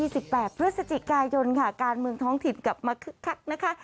สิบแปดพฤศจิกายนค่ะการเมืองท้องถิ่นกลับมาคึกคักนะคะ